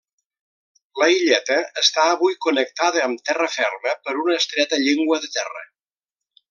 La illeta està avui connectada amb terra ferma per una estreta llengua de terra.